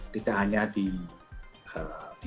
tidak hanya di